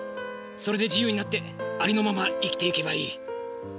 それで自由になってありのまま生きていけばいい。